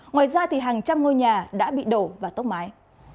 ngoài ra hàng trăm ngôi nhà đã bị đổ và tốc mái